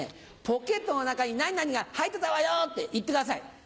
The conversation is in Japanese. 「ポケットの中に何々が入ってたわよ」って言ってください。